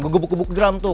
gue gebuk gebuk drum tuh